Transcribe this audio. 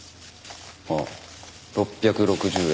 ああ６６０円。